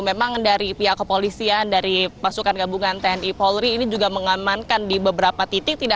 memang dari pihak kepolisian dari pasukan gabungan tni polri ini juga mengamankan di beberapa titik